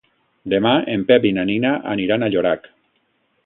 Demà en Pep i na Nina aniran a Llorac.